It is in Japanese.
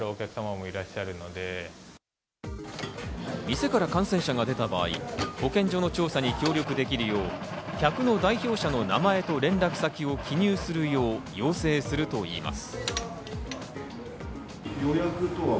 店から感染者が出た場合、保健所の調査に協力できるよう、客の代表者の名前と連絡先を記入するよう要請するといいます。